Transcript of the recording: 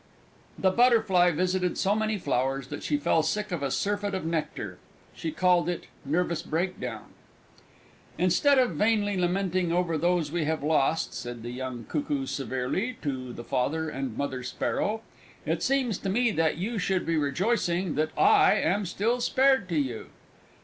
The Butterfly visited so many flowers that she fell sick of a surfeit of nectar. She called it "Nervous Breakdown." "Instead of vainly lamenting over those we have lost," said the young Cuckoo severely, to the Father and Mother Sparrow, "it seems to me that you should be rejoicing that I am still spared to you!"